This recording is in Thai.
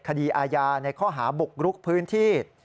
คดีอาญาในข้อหาบุกรุกพื้นที่